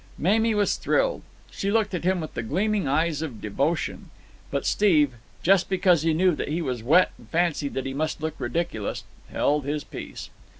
Mamie was thrilled. She looked at him with the gleaming eyes of devotion. But Steve, just because he knew that he was wet and fancied that he must look ridiculous, held his peace.